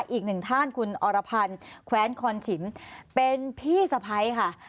อีกหนึ่งท่านคุณอรพันธ์แคว้นคอนฉิมเป็นพี่สะพ้ายค่ะ